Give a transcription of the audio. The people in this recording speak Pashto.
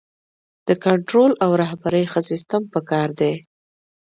د کنټرول او رهبرۍ ښه سیستم پکار دی.